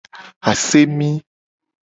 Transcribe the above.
Asemi.